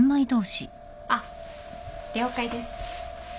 あっ了解です。